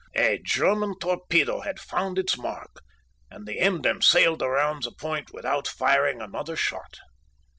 A German torpedo had found its mark, and the Emden sailed around the point without firing another shot.